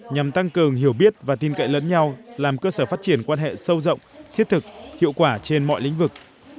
nhằm tăng cường hiểu biết và tin cậy lẫn nhau làm cơ sở phát triển quan hệ sâu rộng thiết thực hiệu quả trên mọi lĩnh vực